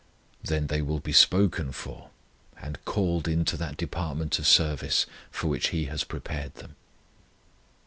Then they will be spoken for, and called into that department of service for which He has prepared them.